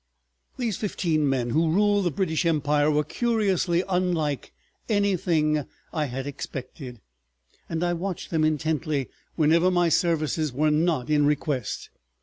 These fifteen men who ruled the British Empire were curiously unlike anything I had expected, and I watched them intently whenever my services were not in request.